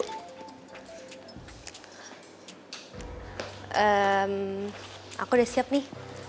hmm aku udah siap nih